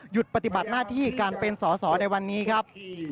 ปฏิบัติหน้าที่การเป็นสอสอในวันนี้ครับ